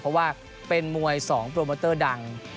เพราะว่าเป็นมวย๒โปรโมเตอร์ดัง